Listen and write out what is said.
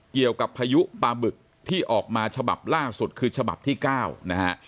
เกี่ยวกับภายุปาบึกที่ออกมาฉบับล่าสุดคือฉบับที่เก้านะฮะ